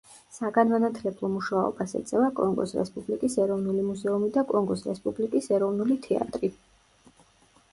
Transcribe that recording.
საგანმანათლებლო მუშაობას ეწევა კონგოს რესპუბლიკის ეროვნული მუზეუმი და კონგოს რესპუბლიკის ეროვნული თეატრი.